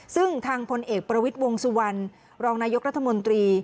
ซึ่งทางพลเอกประวิทย์วงสุวรรณรองนายกรัฐมนตรี